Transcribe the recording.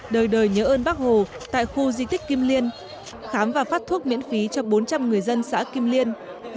đời đời nhớ ơn bác hồ tại khu di tích kim liên khám và phát thuốc miễn phí cho bốn trăm linh người dân xã kim liên